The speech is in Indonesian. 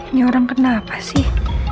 ini orang kenapa sih